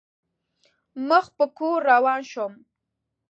مخ په کور روان شوم.